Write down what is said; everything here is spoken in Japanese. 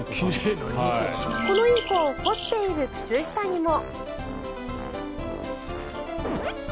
このインコ干している靴下にも。